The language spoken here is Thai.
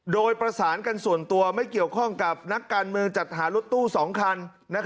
โดยประสานกันส่วนตัวไม่เกี่ยวข้องกับนักการเมืองจัดหารถตู้๒คัน